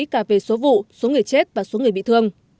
cả về số vụ số người chết và số người bị thương